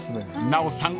［奈緒さん